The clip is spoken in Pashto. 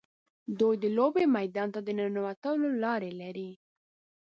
دوی د لوبې میدان ته د ننوتلو لارې لري.